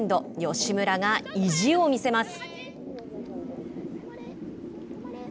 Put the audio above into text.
吉村が意地を見せます。